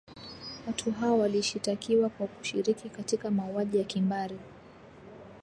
watu hao walishitakiwa kwa kushiriki katika mauaji ya kimbari